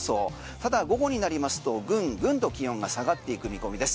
ただ、午後になりますとグングンと気温が下がっていく見込みです。